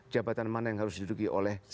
jabatan mana yang harus diduduki oleh